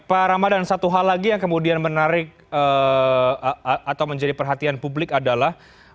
pak ramadhan satu hal lagi yang kemudian menarik atau menjadi perhatian publik adalah